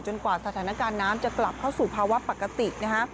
กว่าสถานการณ์น้ำจะกลับเข้าสู่ภาวะปกตินะฮะ